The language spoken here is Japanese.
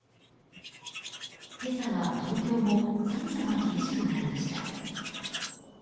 今朝は東京も寒さが厳しくなりました。